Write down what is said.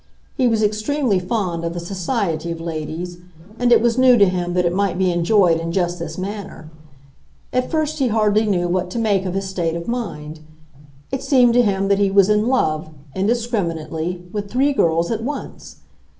He was extremely fond of the society of ladies, and it was new to him that it might be enjoyed in just this manner. At first he hardly knew what to make of his state of mind. It seemed to him that he was in love, indiscriminately, with three girls at once.